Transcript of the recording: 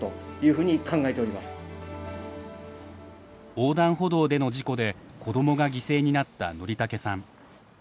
横断歩道での事故で子どもが犠牲になった則竹さん。